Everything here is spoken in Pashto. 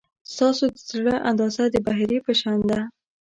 ستاسو د زړه اندازه د بحیرې په شان ده.